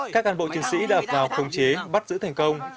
các cán bộ chiến sĩ đạp vào không chế bắt giữ thành công